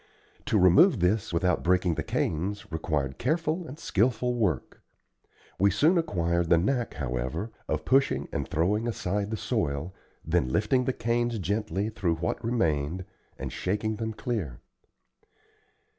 To remove this without breaking the canes, required careful and skilful work. We soon acquired the knack, however, of pushing and throwing aside the soil, then lifting the canes gently through what remained, and shaking them clear.